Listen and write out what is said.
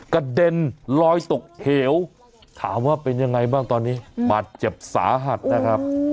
กระเด็นลอยตกเหวถามว่าเป็นยังไงบ้างตอนนี้บาดเจ็บสาหัสนะครับ